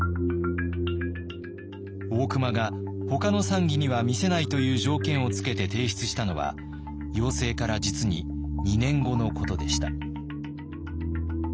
大隈が他の参議には見せないという条件をつけて提出したのは要請から実に２年後のことでした。